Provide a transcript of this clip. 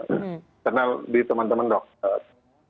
internal di teman teman dokter